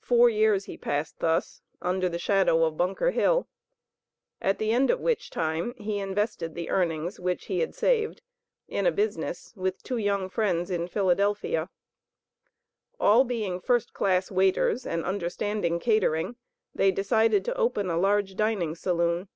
Four years he passed thus, under the shadow of Bunker Hill, at the end of which time he invested the earnings, which he had saved, in a business with two young friends in Philadelphia. All being first class waiters and understanding catering, they decided to open a large dining saloon.